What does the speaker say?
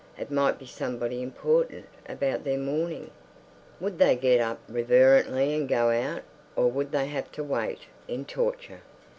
It might be somebody important—about their mourning. Would they get up reverently and go out, or would they have to wait... in torture?